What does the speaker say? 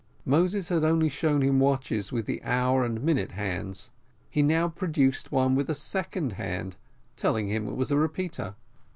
Moses had only shown him watches with the hour and minute hands; he now produced one with a second hand, telling him it was a repeater.